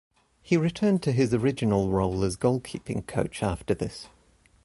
He returned to his original role as goalkeeping coach after this.